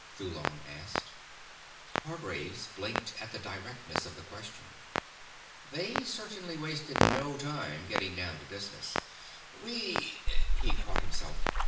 Thulon asked. Hargraves blinked at the directness of the question. They certainly wasted no time getting down to business. "We " He caught himself.